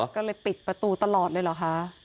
ก็เลยปิดประตูตลอดเลยเหรอคะ